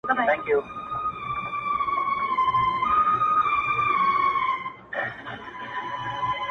چي ته يې را روانه كلي” ښار” كوڅه” بازار كي”